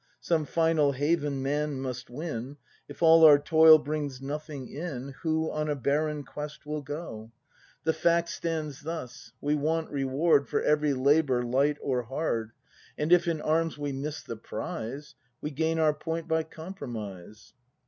Some final haven man must win; — If all our toil brings nothing in. Who on a barren quest will go? ACT IV] BRAND The fact stands thus: we want reward For every labour, light or hard; And if in arms we miss the prize, — We gain our point by compromise.